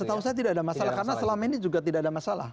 setahu saya tidak ada masalah karena selama ini juga tidak ada masalah